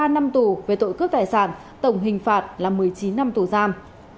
ba năm tù về tội cướp tài sản tổng hình phạt là một mươi chín năm tù giam